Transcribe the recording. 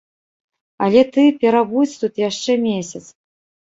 Але ты перабудзь тут яшчэ месяц.